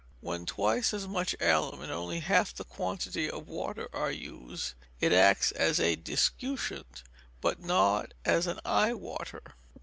When twice as much alum and only half the quantity of water are used, it acts as a discutient, but not as an eye water.